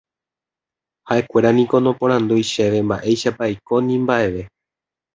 ha'ekuéra niko noporandúi chéve mba'éichapa aiko ni mba'eve